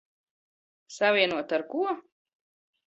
Savienota ar ko?